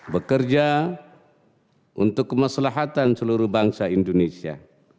bekerja untuk kemaslahatan seluruh bangsa indonesia